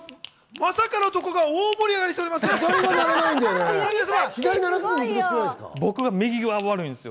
まさかのとこが大盛り上がりしております。